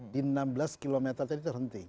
di enam belas km tadi terhenti